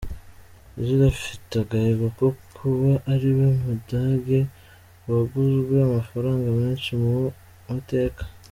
Ozil afite agahigo ko kuba ariwe mudage waguzwe amafaranga menshi mu mateka.